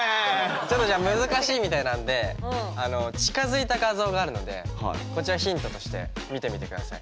ちょっとじゃあ難しいみたいなんで近づいた画像があるのでこちらヒントとして見てみて下さい。